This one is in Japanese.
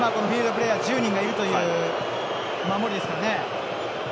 プレーヤー１０人がいるという守りですからね。